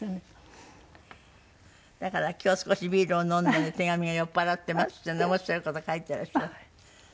だから「今日少しビールを飲んだので手紙が酔っ払ってます」っていう面白い事書いてらっしゃる。